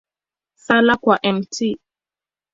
Sala kwa Mt.